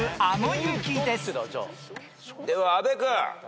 では阿部君。